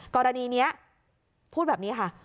กรณีนี้พูดแบบนี้ค่ะ